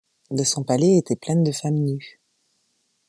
De son palais étaient pleines de femmes nues